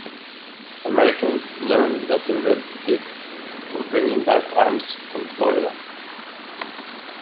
Americans learned that the Red Sticks were bringing back arms from Florida.